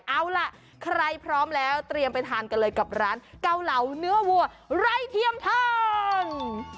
เอาล่ะใครพร้อมแล้วเตรียมไปทานกันเลยกับร้านเกาเหลาเนื้อวัวไร้เทียมทอง